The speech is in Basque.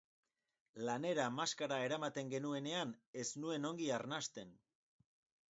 Lanera maskara eramaten genuenean ez nuen ongi arnasten.